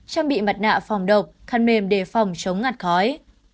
trang bị mặt nạ phòng độc khăn mềm đề phòng chống ngạt khói